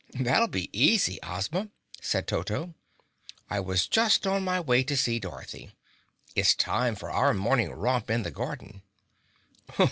"That'll be easy, Ozma," said Toto, "I was just on my way to see Dorothy. It's time for our morning romp in the garden."